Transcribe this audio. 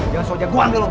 jangan sok jagoan deh lo